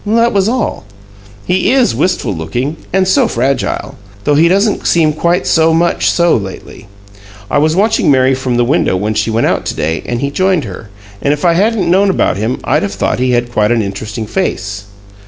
"That was all. He IS wistful looking; and so fragile though he doesn't seem quite so much so lately. I was watching Mary from the window when she went out to day, and he joined her, and if I hadn't known about him I'd have thought he had quite an interesting face."